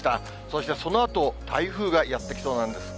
そしてそのあと、台風がやって来そうなんです。